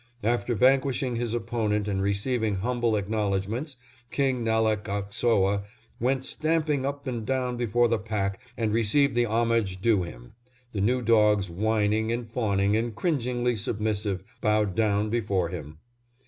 After vanquishing his opponent and receiving humble acknowledgments, King Nalegaksoah went stamping up and down before the pack and received the homage due him; the new dogs, whining and fawning and cringingly submissive, bowed down before him.